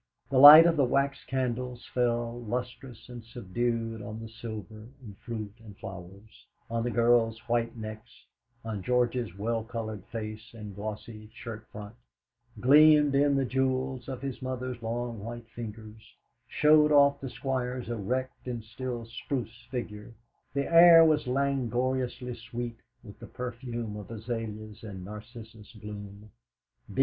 The light of the wax candles fell lustrous and subdued on the silver and fruit and flowers, on the girls' white necks, on George's well coloured face and glossy shirt front, gleamed in the jewels on his mother's long white fingers, showed off the Squire's erect and still spruce figure; the air was languorously sweet with the perfume of azaleas and narcissus bloom.